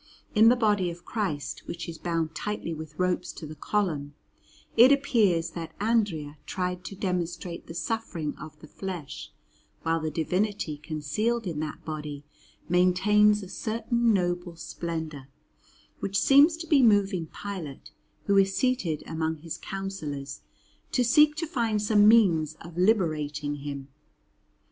In the body of Christ, which is bound tightly with ropes to the Column, it appears that Andrea tried to demonstrate the suffering of the flesh, while the Divinity concealed in that body maintains a certain noble splendour, which seems to be moving Pilate, who is seated among his councillors, to seek to find some means of liberating Him.